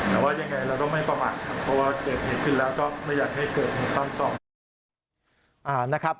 แต่ว่าอย่างไรเราไม่ประมัติเพราะว่าเกตเห็นขึ้นแล้วก็ไม่อยากให้เกิดอย่างซ้ำซ่อม